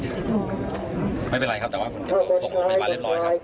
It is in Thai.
พี่หรือว่าส่งบางคนก็สาวกับบ้านใสไม่เป็นไรครับแต่ว่าส่งไปบ้านเรียบร้อยครับ